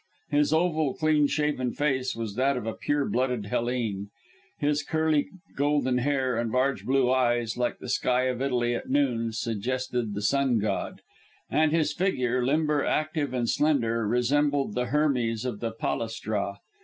His oval, clean shaven face was that of a pure blooded Hellene, his curly golden hair and large blue eyes like the sky of Italy at noon, suggested the Sun god, and his figure, limber, active, and slender, resembled the Hermes of the Palestra.